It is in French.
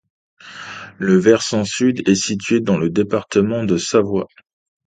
Le versant sud est situé dans le département de Savoie.